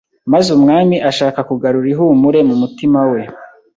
maze Umwami ashaka kugarura ihumure mu mutima we